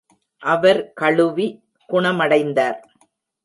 அவர் கழுவி, குணமடைந்தார்.